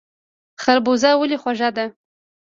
خربوزه ولې خوږه ده؟